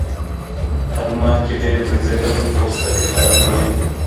په لمر کې ډېر ګرځېدل پوستکی خرابوي.